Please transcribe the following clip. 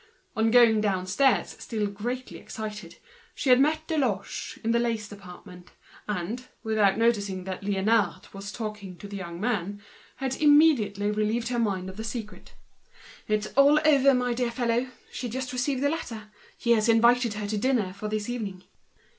On going downstairs, still excited, she had met Deloche in the lace department, and, without noticing that Liénard was talking to the young man, she immediately relieved her mind of the secret. "It's done, my dear fellow. She's just received a letter. He invites her for this evening."